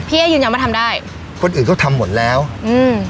พี่เอ๋ยืนยังไม่ทำได้คนอื่นก็ทำหมดแล้วอืม